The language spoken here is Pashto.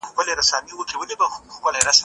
زه پرون د تکړښت لپاره وم؟!